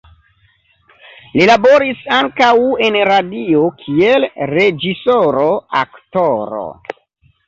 Li laboris ankaŭ en radio kiel reĝisoro, aktoro.